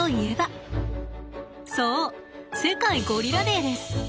そう世界ゴリラデーです。